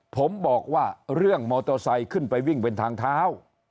ผมบอกว่าเรื่องมอเตอร์ไซค์ขึ้นไปวิ่งเป็นทางเท้า